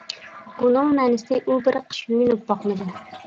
بۇنىڭ مەنىسى، ئۇ بىر قىش يۇيۇنۇپ باقمىدى.